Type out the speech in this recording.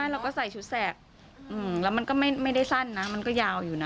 เราก็ใส่ชุดแสบแล้วมันก็ไม่ได้สั้นนะมันก็ยาวอยู่นะ